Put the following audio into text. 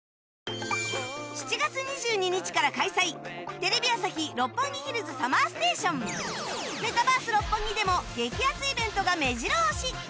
テレビ朝日・六本木ヒルズ ＳＵＭＭＥＲＳＴＡＴＩＯＮメタバース六本木でも激アツイベントがめじろ押し